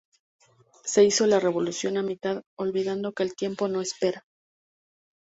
Se hizo la revolución a mitad, olvidando que el tiempo no espera.